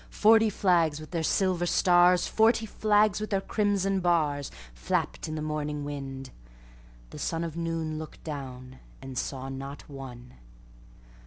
Forty flags with their silver stars, Forty flags with their crimson bars, Flapped in the morning wind: the sunOf noon looked down, and saw not one.